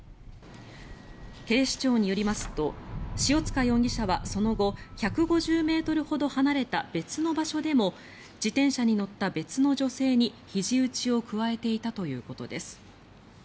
警視庁によりますと塩塚容疑者はその後１５０ｍほど離れた別の場所でも自転車に乗った別の女性にひじ打ちを加えていたということです。